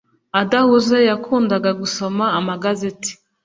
adahuze yakundaga gusoma amagazeti